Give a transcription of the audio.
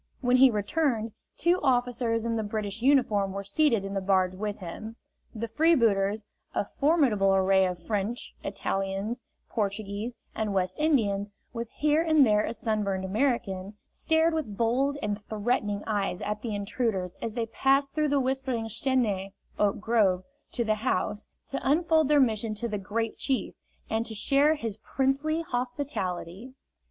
When he returned, two officers in the British uniform were seated in the barge with him. The freebooters, a formidable array of French, Italians, Portuguese and West Indians, with here and there a sunburned American, stared with bold and threatening eyes at the intruders as they passed through the whispering chęnaié (oak grove) to the house, to unfold their mission to the "Great Chief," and to share his princely hospitality.